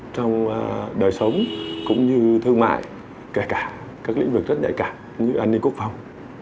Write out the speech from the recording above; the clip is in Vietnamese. trong đời sống cũng như thương mại kể cả các lĩnh vực rất nhạy cảm như an ninh quốc phòng